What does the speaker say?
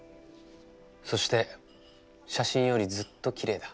そして写真よりずっときれいだ。